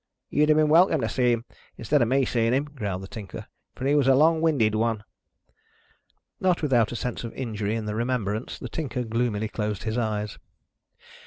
"You'd have been welcome to see him instead of me seeing him," growled the Tinker; "for he was a long winded one." Not without a sense of injury in the remembrance, the Tinker gloomily closed his eyes.